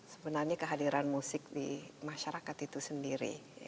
sebenarnya kehadiran musik di masyarakat itu sendiri